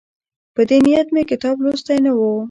په دې نیت مې کتاب لوستی نه وو.